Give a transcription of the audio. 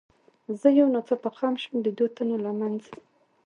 زه یو ناڅاپه خم شوم، د دوو تنو له منځه.